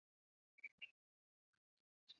江西省新昌县棠浦镇沐溪村人。